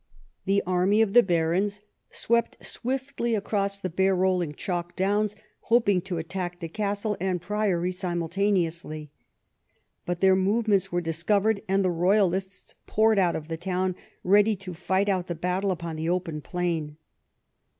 The army of the barons swept swiftly across the bare rolling chalk downs, hoping to attack the castle and priory simultaneously. But their movements were discovered, and the royalists poured out of the town, ready to fight out the battle upon the open plain.